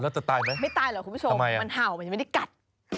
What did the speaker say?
แล้วจะตายไหมทำไมล่ะคุณผู้ชมมันห่าวมันยังไม่ได้กัด